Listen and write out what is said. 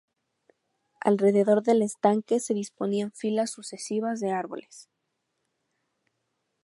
Alrededor del estanque se disponían filas sucesivas de árboles.